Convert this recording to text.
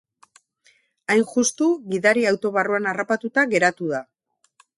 Hain justu, gidaria auto barruan harrapatuta geratu da.